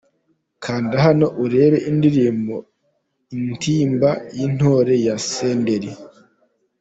Kanda hano urebe indirimbo’Intimba y’intore’ ya Senderi.